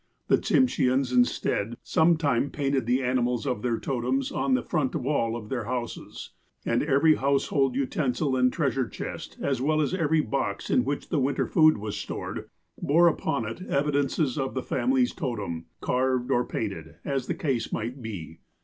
The Tsimsheans, instead, some time painted the animals of their totems on the front wall of their houses, and every household utensil and treasure chest, as well as every box in which the winter food was stored, bore upon it evidences of the family's totem, carved or painted, as the case might be.